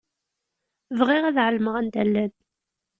Bɣiɣ ad εelmeɣ anda llan.